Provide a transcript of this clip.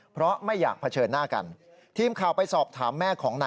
เพราะไม่อยากเผชิญหน้ากัน